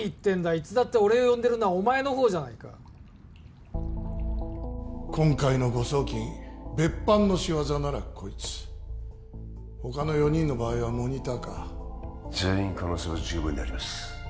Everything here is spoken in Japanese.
いつだって俺を呼んでるのはお前のほうじゃないか今回の誤送金別班の仕業ならこいつ他の４人の場合はモニターか全員可能性は十分にあります